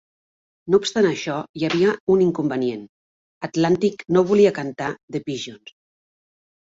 No obstant això, hi havia un inconvenient: Atlantic no volia cantar "The Pigeons".